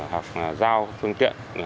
hoặc giao phương tiện